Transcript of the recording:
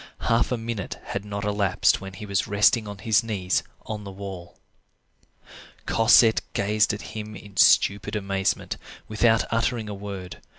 Half a minute had not elapsed when he was resting on his knees on the wall. Cosette gazed at him in stupid amazement, without uttering a word.